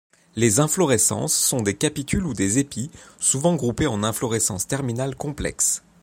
Les inflorescences sont des capitules ou des épis, souvent groupés en inflorescences terminales complexes.